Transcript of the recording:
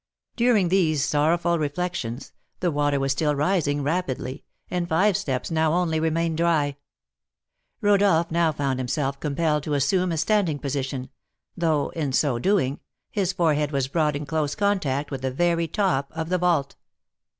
During these sorrowful reflections, the water was still rising rapidly, and five steps only now remained dry. Rodolph now found himself compelled to assume a standing position, though, in so doing, his forehead was brought in close contact with the very top of the vault.